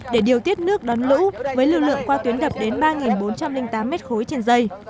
để điều tiết nước đón lũ với lưu lượng qua tuyến đập đến ba bốn trăm linh tám m ba trên dây